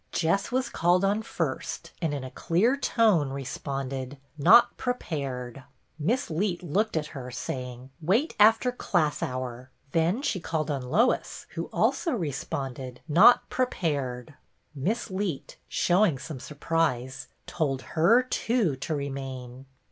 Jess was called on first and in a clear tone re sponded, " Not prepared." Miss Leet looked at her, saying, "Wait after class hour; " then she called on Lois, who also responded, " Not prepared." Miss Leet, showing some sur prise, told her, too, to remain.